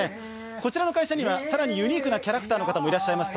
こちらの会社には更にユニークなキャラクターの方もいらっしゃいます。